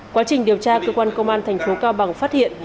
quá trình điều tra cơ quan công an thành phố cao bằng phát hiện